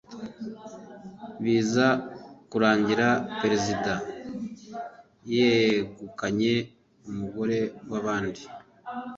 biza kurangira Perezida yegukanye umugore w’abandi